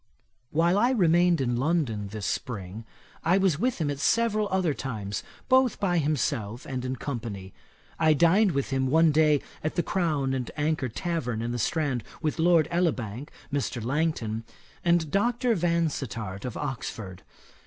While I remained in London this spring, I was with him at several other times, both by himself and in company. I dined with him one day at the Crown and Anchor tavern, in the Strand, with Lord Elibank, Mr. Langton, and Dr. Vansittart of Oxford.